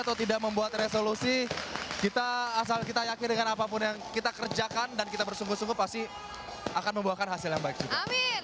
atau tidak membuat resolusi kita asal kita yakin dengan apapun yang kita kerjakan dan kita bersungguh sungguh pasti akan membuahkan hasil yang baik juga